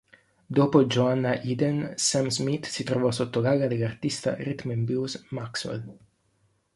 Dopo Joanna Eden, Sam Smith si trovò sotto l'ala dell'artista rhythm and blues Maxwell.